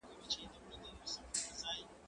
زه پرون د ښوونځی لپاره امادګي نيسم وم،